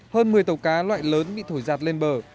hơn một mươi tàu cá loại lớn bị thổi giạt lên bờ